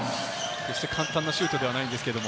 決して簡単なシュートではないんですけど、